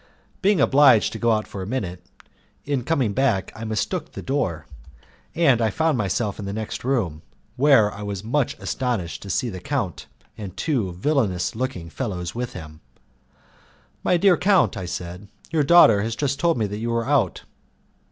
Being obliged to go out for a minute, in coming back I mistook the door, and I found myself in the next room, where I was much astonished to see the count and two villainous looking fellows with him. "My dear count," I said, "your daughter has just told me that you were out."